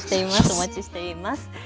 お待ちしています。